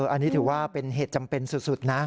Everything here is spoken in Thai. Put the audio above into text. อันนี้ถือว่าเป็นเหตุจำเป็นสุดนะ